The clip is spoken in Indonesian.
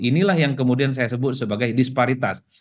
inilah yang kemudian saya sebut sebagai disparitas